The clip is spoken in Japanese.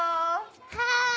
はい！